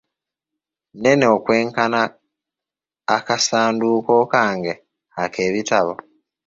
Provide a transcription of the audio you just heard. nnene okwenkana akasanduuko kange ak’ebitabo.